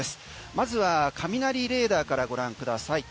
まずは雷レーダーからご覧ください。